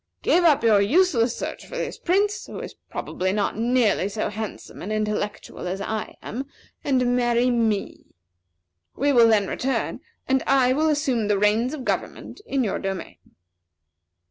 Give up your useless search for this Prince, who is probably not nearly so handsome and intellectual as I am, and marry me. We will then return, and I will assume the reins of government in your domain."